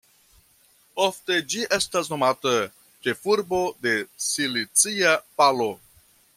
Ofte ĝi estas nomata "ĉefurbo de Silicia Valo.